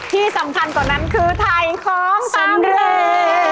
ที่สำคัญกว่านั้นคือถ่ายของสำเร็จ